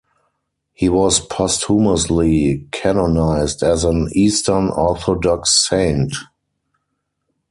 He was posthumously canonized as an Eastern Orthodox saint.